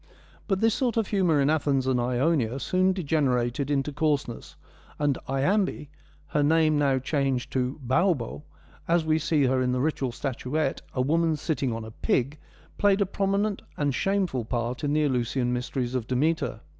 But this sort of humour in Athens and Ionia soon degenerated into coarseness, and Iambe, her name now changed to Baubo, as we see her in the ritual statuette, a woman sitting on a pig, played a prominent and a shameful part in the Eleusinian mysteries of De meter.